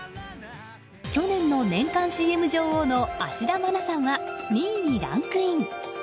去年の年間ＣＭ女王の芦田愛菜さんは２位にランクイン。